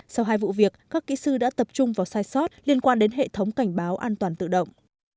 sau hai vụ việc các kỹ sư đã tập trung vào sai sót liên quan đến hệ thống cảnh báo an toàn tự động